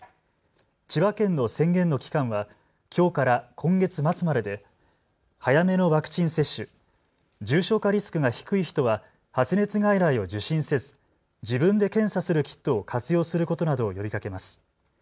千葉県の宣言の期間はきょうから今月末までで早めのワクチン接種、重症化リスクが低い人は発熱外来を受診せず自分で検査するキットを活用することなどを呼びかけます。